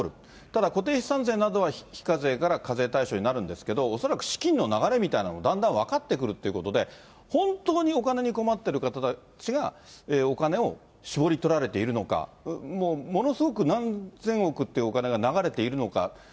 ただ、固定資産税などは非課税から課税対象になるんですけど、恐らく、資金の流れみたいなの、だんだん分かってくるってことで、本当にお金に困っている方たちがお金をしぼり取られているのか、ものすごく何千億ってお金が流れているのか。